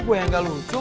gue yang gak lucu